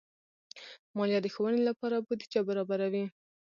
مالیه د ښوونې لپاره بودیجه برابروي.